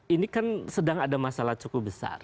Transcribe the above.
ini kan sedang ada masalah cukup besar